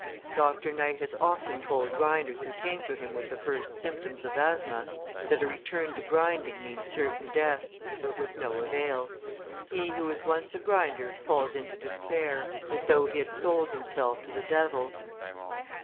Dr. Knight has often told grinders who came to him with the first symptoms of asthma that a return to grinding means certain death, but with no avail. He who is once a grinder falls into despair, as though he had sold himself to the devil.